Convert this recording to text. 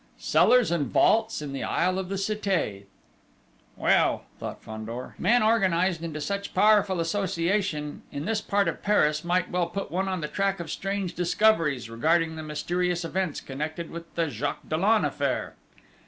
Cellars and vaults in the Isle of the Cité! "Well," thought Fandor, "men organised into such a powerful association in this part of Paris might well put one on the track of strange discoveries regarding the mysterious events connected with the Jacques Dollon affair!"